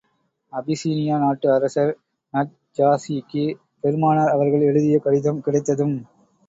Abyssinia நாட்டு அரசர் நஜ்ஜாஷிக்கு பெருமானார் அவர்கள் எழுதிய கடிதம் கிடைத்ததும்.